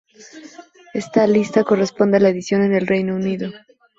Esta lista corresponde a la edición en el Reino Unido.